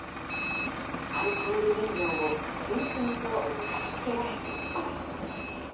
アルコール飲料も次々と片付けられていきます。